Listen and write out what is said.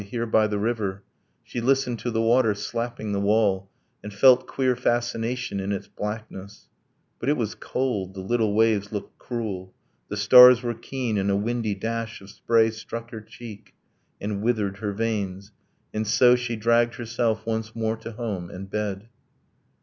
. Here, by the river, She listened to the water slapping the wall, And felt queer fascination in its blackness: But it was cold, the little waves looked cruel, The stars were keen, and a windy dash of spray Struck her cheek, and withered her veins ... And so She dragged herself once more to home, and bed.